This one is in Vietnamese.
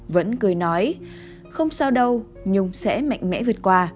vẫn cười nói không sao đâu nhung sẽ mạnh mẽ vượt qua